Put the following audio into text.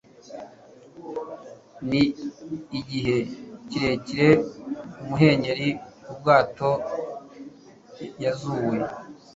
Ni igihe kirekire imuhengeri ubwato yazuwe